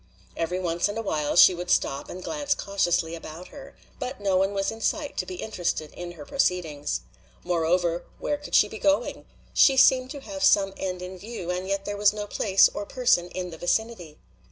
Every once and a while she would stop and glance cautiously about her. But no one was in sight to be interested in her proceedings. Moreover, where could she be going? She seemed to have some end in view, and yet there was no place or person in the vicinity.